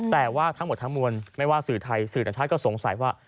แต่ว่าทั้งหมดทั้งมวลไม่ว่าสื่อไทยสื่อต่างชาติก็สงสัยว่า